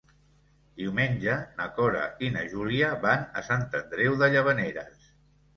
Diumenge na Cora i na Júlia van a Sant Andreu de Llavaneres.